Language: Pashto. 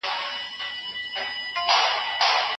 د جبري ځان وژني علتونه څه دي؟